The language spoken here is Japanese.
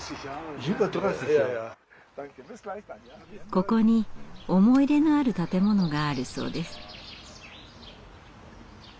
ここに思い入れのある建物があるそうです。